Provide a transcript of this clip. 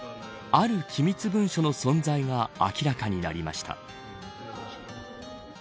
ある機密文書の存在が明らかになりました。